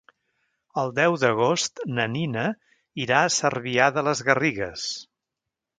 El deu d'agost na Nina irà a Cervià de les Garrigues.